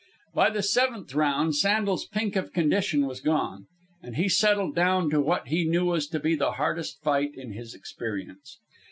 By the seventh round Sandel's pink of condition was gone, and he settled down to what he knew was to be the hardest fight in his experience.